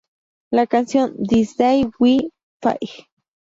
La canción This Day We Fight!